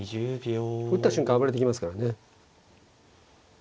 打った瞬間暴れてきますからね。